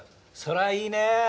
それはいいね。